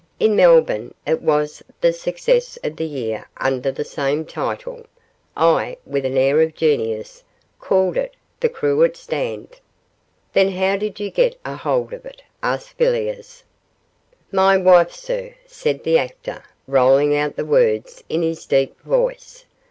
In Melbourne it was the success of the year under the same title. I,' with an air of genius, 'called it "The Cruet Stand".' 'Then how did you get a hold of it,' asked Villiers. 'My wife, sir,' said the actor, rolling out the words in his deep voice.